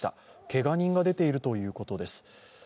けが人が出ているということです。